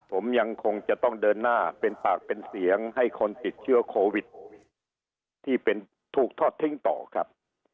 ผมยังคงจะต้องเดินหน้าเป็นปากเป็นเสียงให้คนติดเชื้อโควิดที่เป็นถูกทอดทิ้งต่อครับ